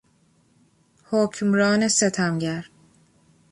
حکمران ستمگر